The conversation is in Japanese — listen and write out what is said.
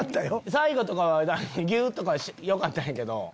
最後とか「ギュっ」とかはよかったんやけど。